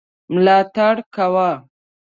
ملاتړ کاوه.